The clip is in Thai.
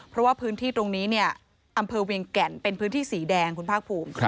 เพราะว่าพื้นที่ตรงนี้เนี่ยอำเภอเวียงแก่นเป็นพื้นที่สีแดงคุณภาคภูมิ